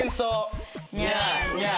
ニャーニャー。